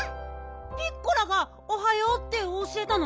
ピッコラが「おはよう」っておしえたの？